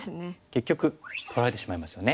結局取られてしまいますよね。